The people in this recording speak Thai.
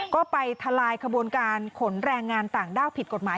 ก็ไปทลายขบวนการขนแรงงานต่างด้าวผิดกฎหมาย